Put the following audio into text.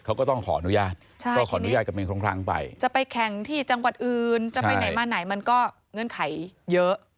เขาก็ต้องขออนุญาตใช่ก็ขออนุญาตกันเป็นครั้งไปจะไปแข่งที่จังหวัดอื่นจะไปไหนมาไหนมันก็เงื่อนไขเยอะ